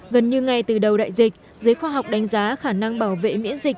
gần như ngay từ đầu đại dịch giới khoa học đánh giá khả năng bảo vệ miễn dịch